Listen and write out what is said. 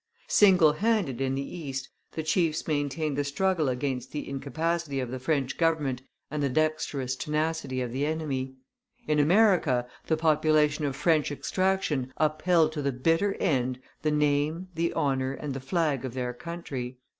Single handed in the East the chiefs maintained the struggle against the incapacity of the French government and the dexterous tenacity of the enemy; in America the population of French extraction upheld to the bitter end the name, the honor, and the flag of their country.